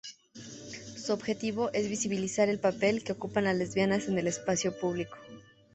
Su objetivo es visibilizar el papel que ocupan las lesbianas en el espacio público.